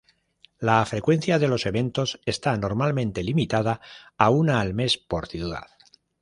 La frecuencia de los eventos está normalmente limitada a una al mes por ciudad.